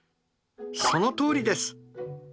そのとおりです！